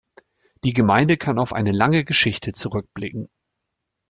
Die Gemeinde kann auf eine lange Geschichte zurückblicken.